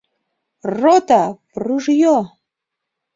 Рота, в ружьё!